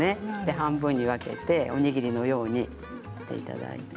半分に分けておにぎりのようにしていただいて。